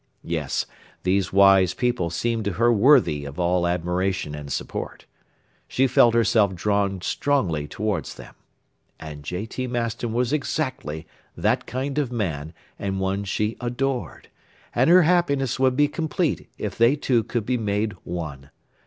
Yes, these wise people seemed to her worthy of all admiration and support. She felt herself drawn strongly towards them. And J.T. Maston was exactly that kind of man and one she adored, and her happiness would be complete if they two could be made one.